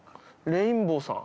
レインボーさん。